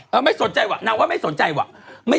เออก็ไม่สนใจไม่ใช่